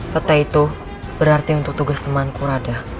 ketai itu berarti untuk tugas temanku radha